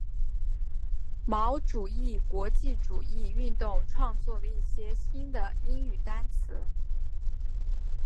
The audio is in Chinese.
毛主义国际主义运动创作了一些新的英语单词。